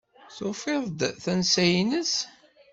Tufiḍ-d tansa-ines?